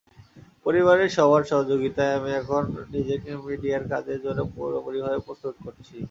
পরিবারের সবার সহযোগিতায় আমি এখন নিজেকে মিডিয়ার কাজের জন্য পুরোপুরিভাবে প্রস্তুত করছি।